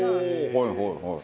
はいはいはい。